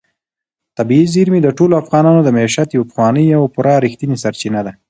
طبیعي زیرمې د ټولو افغانانو د معیشت یوه پخوانۍ او پوره رښتینې سرچینه ده.